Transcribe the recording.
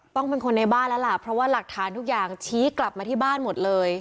เป็นคนในบ้านแล้วล่ะเพราะว่าหลักฐานทุกอย่างชี้กลับมาที่บ้านหมดเลย